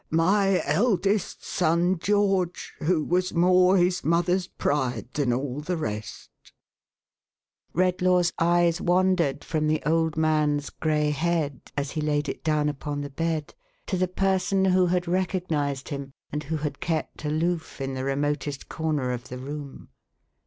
"My eldest son, George, who was more his mother's pride than all the rest !" Redlaw's eyes wandered from the old man's grey head, as he laid it down upon the bed, to the person who had recog nised him, and who had kept aloof, in the remotest corner of the room.